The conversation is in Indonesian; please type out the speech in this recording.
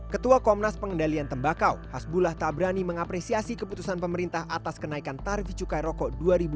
ketua komnas pengendalian tembakau hasbullah tabrani mengapresiasi keputusan pemerintah atas kenaikan tarif cukai rokok dua ribu dua puluh